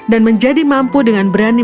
dan menjadi mampu dengan berani